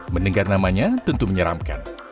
mendengar namanya tentu menyeramkan